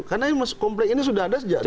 karena konflik ini sudah ada sejak dulu